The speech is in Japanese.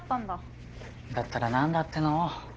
だったら何だっての？